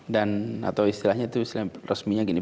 dan atau istilahnya itu istilah resminya gini